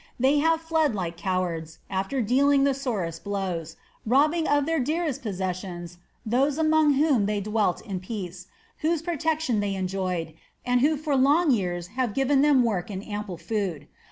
They have fled like cowards, after dealing the sorest blows, robbing of their dearest possessions those among whom they dwelt in peace, whose protection they enjoyed, and who for long years have given them work and ample food.